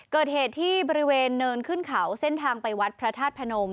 เกิดเหตุที่บริเวณเนินขึ้นเขาเส้นทางไปวัดพระธาตุพนม